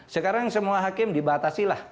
sekarang semua hakim dibatasi lah